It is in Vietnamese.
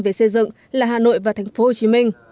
về xây dựng là hà nội và tp hcm